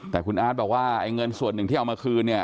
แต่คุณอาจบอกว่าเงินส่วนหนึ่งที่เอามาคืน